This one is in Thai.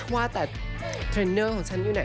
ว่าแต่เทรนเนอร์ของฉันอยู่ไหน